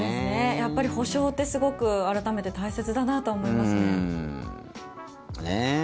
やっぱり補償ってすごく、改めて大切だなとは思いますね。